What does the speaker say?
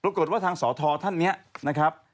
ปรากฏว่าทางสอทรท่านนี้นะครับ